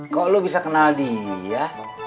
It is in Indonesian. kok lo bisa kenal dia